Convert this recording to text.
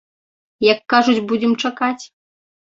Як кажуць, будзем чакаць.